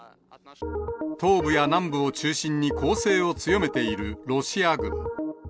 東部や南部を中心に攻勢を強めているロシア軍。